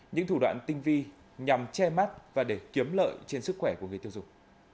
những thủ đoạn tinh vi nhằm che mắt và để kiếm lợi trên sức khỏe của người tiêu dùng